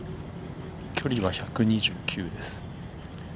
距離は１２９です。